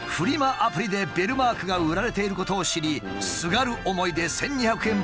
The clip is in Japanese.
アプリでベルマークが売られていることを知りすがる思いで１，２００円分を購入。